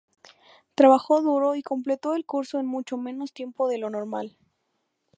Trabajó duro y completó el curso en mucho menos tiempo de lo normal.